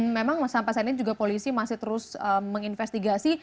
memang sampai saat ini juga polisi masih terus menginvestigasi